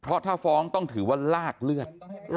เพราะถ้าฟ้องต้องถือว่าลากเลือด